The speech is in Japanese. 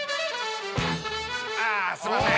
あーすいません